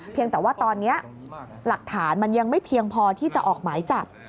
แต่ว่าตอนนี้หลักฐานมันยังไม่เพียงพอที่จะออกหมายจับ